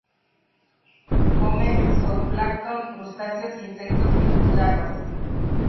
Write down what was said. Come zooplancton, crustáceos y insectos y sus larvas.